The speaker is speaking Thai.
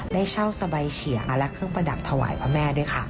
ได้เช่าสบายเฉียงและเครื่องประดับถวายพระแม่ด้วยค่ะ